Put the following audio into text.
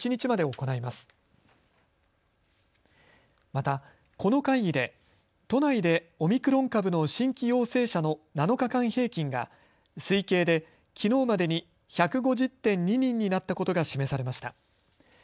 またこの会議で都内でオミクロン株の新規陽性者の７日間平均が推計で、きのうまでに１５０．２人になったことが示されました。